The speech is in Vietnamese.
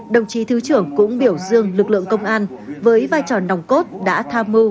đồng chí thứ trưởng cũng biểu dương lực lượng công an với vai trò nòng cốt đã tham mưu